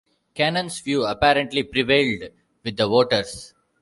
Cannon's view apparently prevailed with the voters.